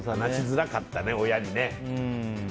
話しづらかったね、親にね。